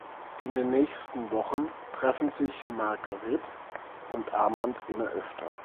In den nächsten Wochen treffen sich Marguerite und Armand immer öfter.